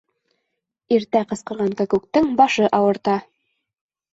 Иртә ҡысҡырған кәкүктең башы ауырта.